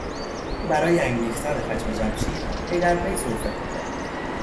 او برای برانگیختن خشم جمشید پیدرپی سرفه میکرد.